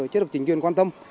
chưa được chính quyền quan tâm